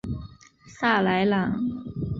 萨莱朗。